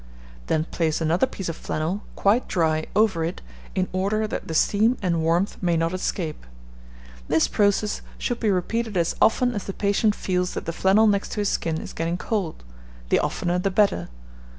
Then place another piece of flannel, quite dry, over it, in order that the steam and warmth may not escape. This process should be repeated as often as the patient feels that the flannel next to his skin is getting cold the oftener the better.